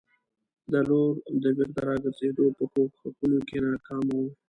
د لور د بېرته راګرزېدو په کوښښونو کې ناکامه وو.